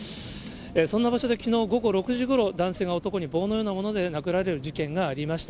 そんな場所できのう午後６時ごろ、男性が男に棒なようなもので殴られる事件がありました。